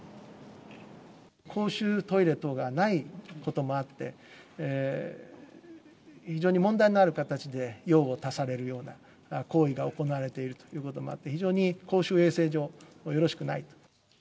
公衆トイレ等がないこともあって、非常に問題のある形で用を足されるような行為が行われているということもあって、非常に公衆衛生上よろしくない。